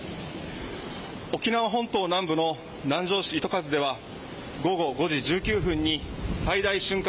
沖縄本島南部の南城市糸数では午後５時１９分に最大瞬間